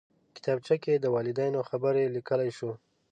کتابچه کې د والدینو خبرې لیکلی شو